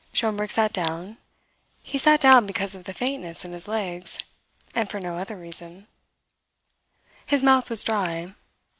Schomberg sat down. He sat down because of the faintness in his legs, and for no other reason. His mouth was dry.